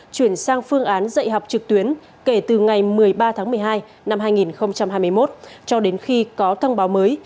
chuyển sang phương án dạy học trực tuyến kể từ ngày một mươi ba tháng một mươi hai năm hai nghìn hai mươi một cho đến khi có thông báo mới